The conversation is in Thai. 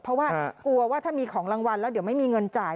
เพราะว่ากลัวว่าถ้ามีของรางวัลแล้วเดี๋ยวไม่มีเงินจ่าย